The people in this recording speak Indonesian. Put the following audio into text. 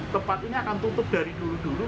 tempat ini akan tutup dari dulu dulu